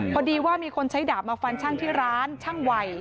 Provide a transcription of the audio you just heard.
พอดีว่ามีคนใช้ดาบมาฟันช่างที่ร้านช่างวัย